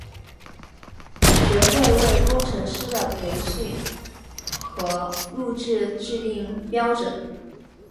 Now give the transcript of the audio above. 学会为工程师的培训和录取制定标准。